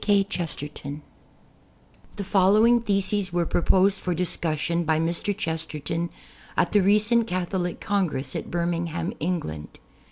K. Chesterton The following theses were proposed for discussion by Mr. Chesterton at the recent Catholic Congress at Birmingham, England.